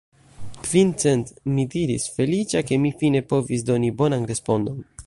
Kvin cent! mi diris, feliĉa, ke mi fine povis doni bonan respondon.